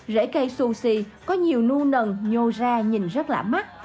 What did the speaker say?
rễ cây xù xì có nhiều nu nần nhô ra nhìn rất lạ mắt